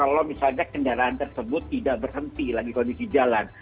kalau misalnya kendaraan tersebut tidak berhenti lagi kondisi jalan